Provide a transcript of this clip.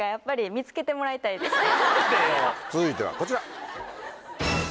続いてはこちら。